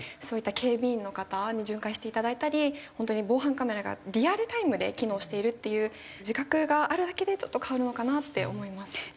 そういった警備員の方に巡回していただいたり本当に防犯カメラがリアルタイムで機能しているっていう自覚があるだけでちょっと変わるのかなって思います。